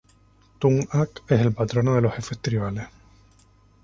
Tung-ak es el patrono de los jefes tribales.